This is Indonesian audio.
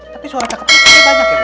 tapi suara cakepnya banyak ya